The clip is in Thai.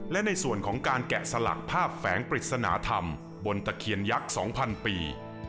และในส่วนของการแกะสลักภาพแฝงปริศนาธรรมบนตะเคียนยักษ์๒๐๐ปี